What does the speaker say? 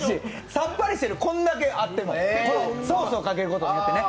さっぱりしてる、こんだけあってもソースをかけることによってね。